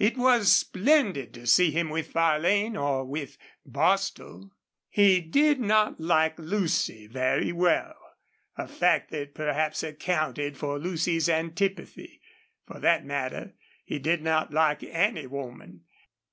It was splendid to see him with Farlane or with Bostil. He did not like Lucy very well, a fact that perhaps accounted for Lucy's antipathy. For that matter, he did not like any woman.